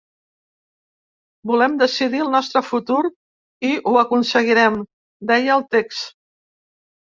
Volem decidir el nostre futur i ho aconseguirem!, deia el text.